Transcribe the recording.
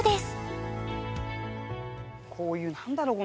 こういう何だろう？